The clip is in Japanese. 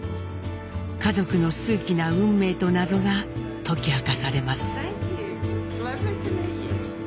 家族の数奇な運命と謎が解き明かされます。